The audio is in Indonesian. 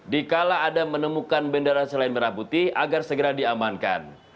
dikala ada menemukan bendera selain merah putih agar segera diamankan